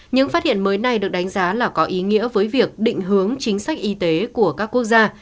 những phát hiện mới này được đánh giá là có ý nghĩa với việc định hướng chính sách y tế của các quốc gia